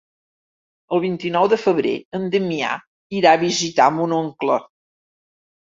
El vint-i-nou de febrer en Damià irà a visitar mon oncle.